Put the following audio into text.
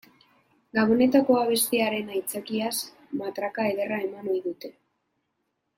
Gabonetako abestiaren aitzakiaz matraka ederra eman ohi dute.